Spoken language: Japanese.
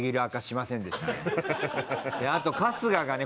あと春日がね